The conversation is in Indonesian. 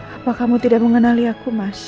apa kamu tidak mengenali aku mas